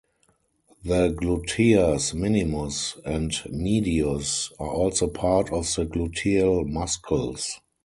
The "gluteas minimus" and "medius" are also part of the gluteal muscles.